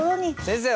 先生！